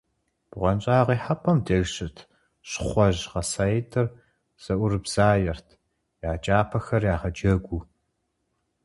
БгъуэнщӀагъ ихьэпӀэм деж щыт щхъуэжь гъэсаитӀыр зэӀурыбзаерт, я кӀапэхэр ягъэджэгуу.